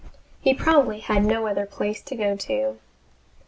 He probably had no other place to go to.